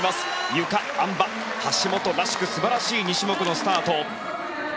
ゆか、あん馬橋本らしく素晴らしい２種目のスタート。